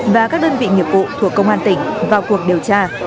và các đơn vị nghiệp vụ thuộc công an tỉnh vào cuộc điều tra